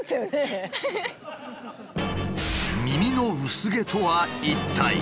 耳の薄毛とは一体？